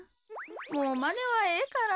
もうまねはええから。